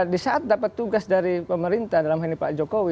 di saat dapat tugas dari pemerintah dalam hendipan jokowi